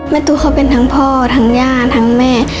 ตู้เขาเป็นทั้งพ่อทั้งย่าทั้งแม่